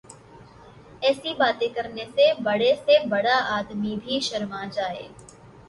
ایسی باتیں کرنے سے بڑے سے بڑا آدمی بھی شرما جائے۔